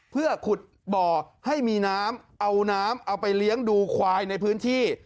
เพื่อขุดบ่อให้มีน้ำเอาน้ำเอาไปเลี้ยงดูควายในพื้นที่